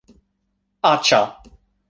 -Aĉa-